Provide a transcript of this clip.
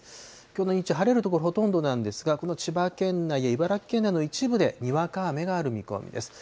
きょうの日中、晴れる所がほとんどなんですが、この千葉県内や茨城県内の一部で、にわか雨がある見込みです。